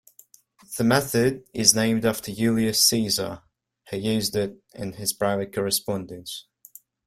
The method is named after Julius Caesar, who used it in his private correspondence.